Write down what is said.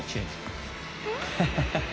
ハハハハ！